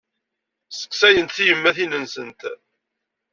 Sseqsayent tiyemmatin-nsent.